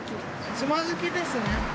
つまずきですね。